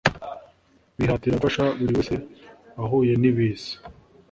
Bihatira gufasha buri wese wahuye nibiza